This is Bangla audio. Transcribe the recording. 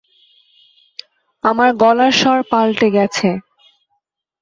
আমার গলার স্বর পাল্টে গেছে।